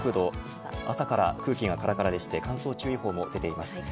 朝から空気がカラカラで乾燥注意報も出ています。